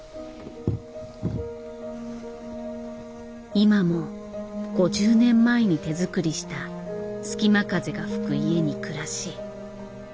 今も５０年前に手作りした隙間風が吹く家に暮らし